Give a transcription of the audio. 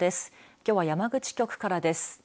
きょうは山口局からです。